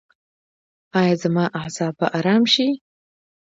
ایا زما اعصاب به ارام شي؟